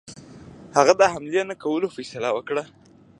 هغه د حملې نه کولو فیصله وکړه.